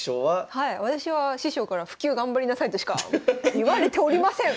はい私は師匠から「普及頑張りなさい」としか言われておりません！